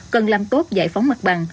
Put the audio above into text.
cần làm tốt giải phóng mặt bằng